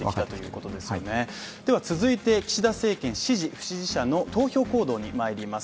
続いて岸田政権支持・不支持者の投票行動にまいります。